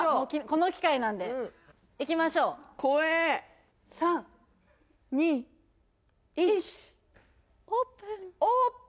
この機会なんでいきましょう怖え・３２１オープン